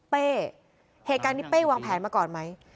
เป้เหตุการณ์นี้เป้วางแผนมาก่อนไหม